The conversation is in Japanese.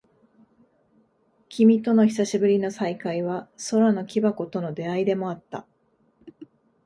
君との久しぶりの再会は、空の木箱との出会いでもあった。